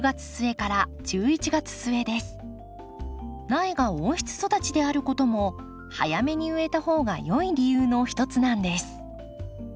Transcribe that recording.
苗が温室育ちであることも早めに植えた方がよい理由の一つなんです。